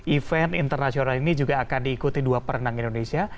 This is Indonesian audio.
event internasional ini juga akan diikuti dua perenang indonesia